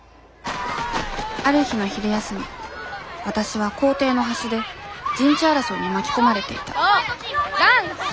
ある日の昼休みわたしは校庭の端で陣地争いに巻き込まれていた男子！